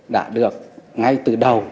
đã được ngay từ đầu